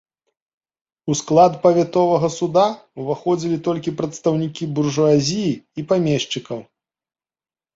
У склад павятовага суда ўваходзілі толькі прадстаўнікі буржуазіі і памешчыкаў.